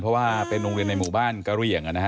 เพราะว่าเป็นโรงเรียนในหมู่บ้านกระเหลี่ยง